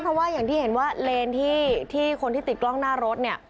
เพราะว่าอย่างที่เห็นว่าเลนที่คนที่ติดกล้องหน้ารถเนี่ย